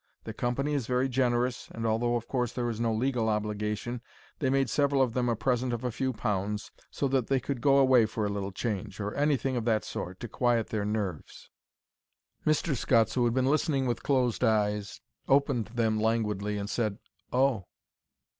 The company is very generous, and although of course there is no legal obligation, they made several of them a present of a few pounds, so that they could go away for a little change, or anything of that sort, to quiet their nerves." Mr. Scutts, who had been listening with closed eyes, opened them languidly and said, "Oh."